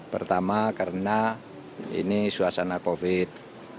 pertama karena ini suasana covid